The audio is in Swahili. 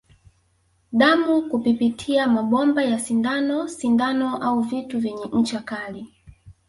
Damu kupipitia mabomba ya sindano sindano au vitu vyenye ncha kali